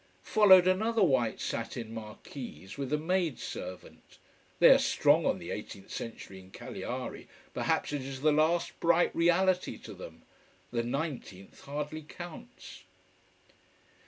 Followed another white satin "marquise", with a maid servant. They are strong on the eighteenth century in Cagliari. Perhaps it is the last bright reality to them. The nineteenth hardly counts.